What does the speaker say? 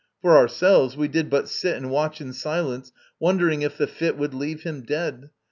For ourselves, we did but sit And watch in silence, wondering if the fit Would leave him dead.